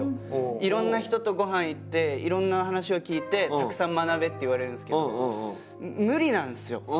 「いろんな人とごはん行っていろんな話を聞いてたくさん学べ」って言われるんですけど無理なんですよ